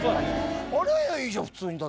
洗えりゃいいじゃん普通に。